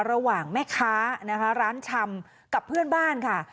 ระหว่างแม่ค้านะคะร้านชำกับเพื่อนบ้านค่ะ